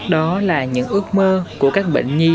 đó là những ước mơ của các bệnh nhi